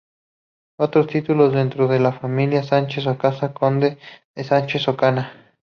Otros títulos dentro de la familia Sánchez-Ocaña Conde de Sánchez-Ocaña.